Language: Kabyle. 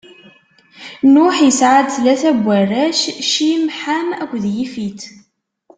Nuḥ isɛa-d tlata n warrac: Cim, Ḥam akked Yifit.